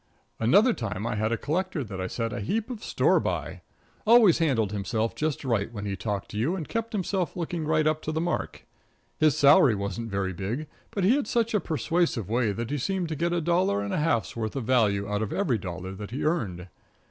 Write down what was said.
Another time I had a collector that I set a heap of store by. Always handled himself just right when he talked to you and kept himself looking right up to the mark. His salary wasn't very big, but he had such a persuasive way that he seemed to get a dollar and a half's worth of value out of every dollar that he earned.